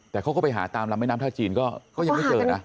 แต่เขาก็ไปหาตามลำแม่น้ำท่าจีนก็ยังไม่เจอนะ